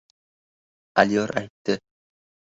Alyor aytdi.